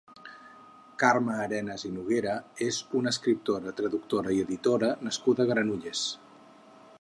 Carme Arenas i Noguera és una escriptora, traductora i editora nascuda a Granollers.